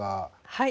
はい。